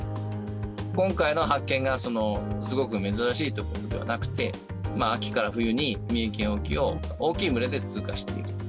今回の発見がすごく珍しいということではなくて、秋から冬に三重県沖を大きい群れで通過していると。